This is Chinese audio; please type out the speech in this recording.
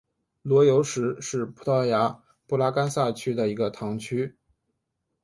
罗尤什是葡萄牙布拉干萨区的一个堂区。